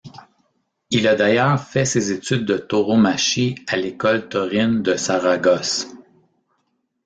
Il a d'ailleurs fait ses études de tauromachie à l'école taurine de Saragosse.